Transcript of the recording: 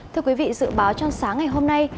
thưa quý vị dự báo trong sáng ngày hôm nay